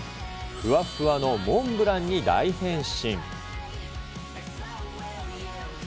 ふわっふわのモンブランに大変身。